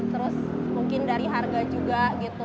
terus mungkin dari harga juga gitu